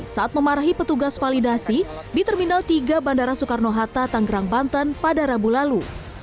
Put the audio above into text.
saat memarahi petugas validasi di terminal tiga bandara soekarno hatta tanggerang banten pada rabu lalu